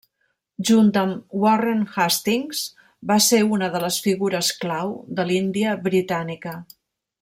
Junt amb Warren Hastings va ser una de les figures clau de l'Índia britànica.